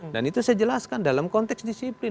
dan itu saya jelaskan dalam konteks disiplin